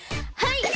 はい。